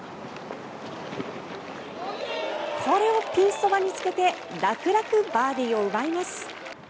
これをピンそばにつけて楽々、バーディーを奪います。